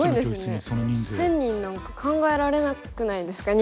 １，０００人なんか考えられなくないですか？